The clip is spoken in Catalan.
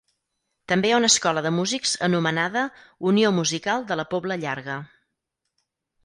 També hi ha una escola de músics anomenada Unió Musical de La Pobla Llarga.